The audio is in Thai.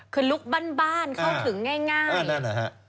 คือลุกบั้นบ้านเข้าถึงง่าย